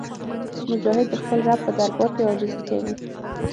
مجاهد د خپل رب په دربار کې عاجزي کوي.